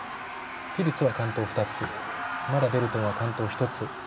ピルツは完登２つまだベルトンは完登１つ。